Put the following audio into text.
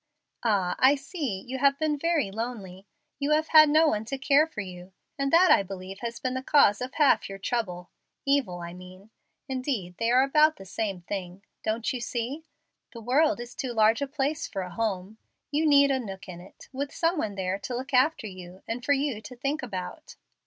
"Ah, I see, you have been very lonely. You have had no one to care for you, and that I believe has been the cause of half your trouble evil, I mean. Indeed, they are about the same thing. Don't you see? The world is too large a place for a home. You need a nook in it, with some one there to look after you and for you to think about."